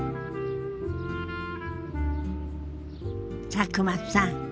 佐久間さん